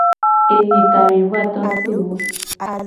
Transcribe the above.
Enyi kawuivoato ti wo.